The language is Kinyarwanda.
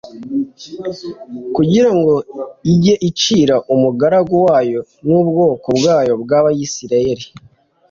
kugira ngo ijye icira umugaragu wayo n’ubwoko bwayo bw’Abisirayeli